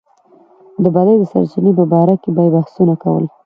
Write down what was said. د بدۍ د سرچينې په باره کې به يې بحثونه کول.